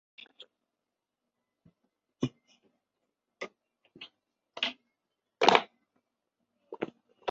华纳兄弟公司参与制作与发行。